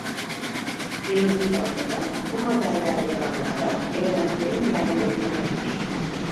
Periyodik tabloda bu modelden yararlanarak elementlerin yerleri bulunabilir.